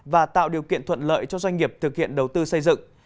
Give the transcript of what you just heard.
và tạo điều kiện thuận lợi cho doanh nghiệp thực hiện đầu tư xây dựng